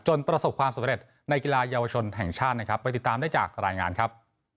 ประสบความสำเร็จในกีฬาเยาวชนแห่งชาตินะครับไปติดตามได้จากรายงานครับ